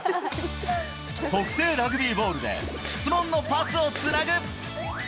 特製ラグビーボールで質問のパスをつなぐ。